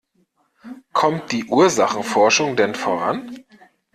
Kommt die Ursachenforschung denn voran?